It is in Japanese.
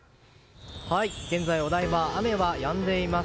現在、お台場雨はやんでいます。